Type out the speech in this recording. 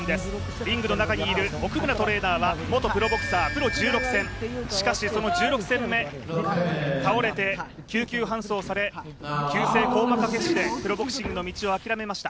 リングの中にいる奥村トレーナーは元プロボクサープロ１６戦、しかし、その１６戦目、倒れて救急搬送され、プロボクシングを諦めました。